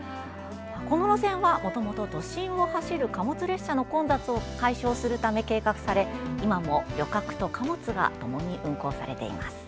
この路線はもともと都心を走る貨物列車の混雑を解消するため計画され今も旅客と貨物が共に運行されています。